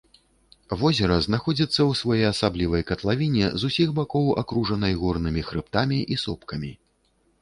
Возера знаходзіцца ў своеасаблівай катлавіне, з усіх бакоў акружанай горнымі хрыбтамі і сопкамі.